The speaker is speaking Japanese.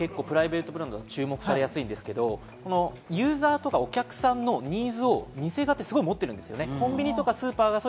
安いのがプライベートブランドで注目されやすいんですけど、ユーザーとかお客さんのニーズを店側ってすごく持ってるんです。